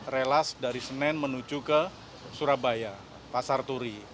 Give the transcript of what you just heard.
relas dari senen menuju ke surabaya pasar turi